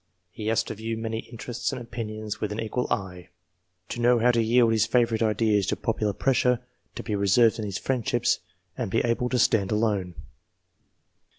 He has to view many interests and opinions with an equal eye ; to know how to yield his favourite ideas to popular pressure, to be reserved in his friendships and able to stand alone.